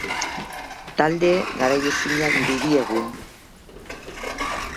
Talde garaiezina dirudi egun.